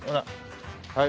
はい。